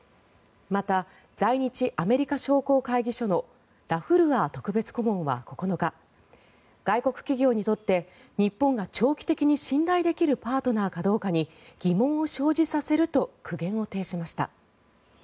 また、在日アメリカ商工会議所のラフルアー特別顧問は９日外国企業にとって日本が長期的に信頼できるパートナーかどうかに疑問を生じさせると苦言を呈しました。